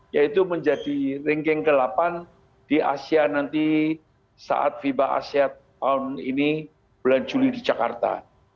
yaitu menjadi ringgeng ke delapan di asia nanti saat viva asia ini berlanjuri di jakarta